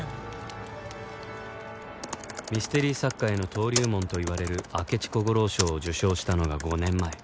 ミステリ作家への登竜門といわれる明智小五郎賞を受賞したのが５年前